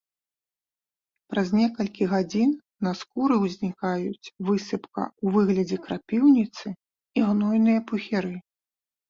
Праз некалькі гадзін на скуры ўзнікаюць высыпка ў выглядзе крапіўніцы і гнойныя пухіры.